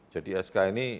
jadi sk ini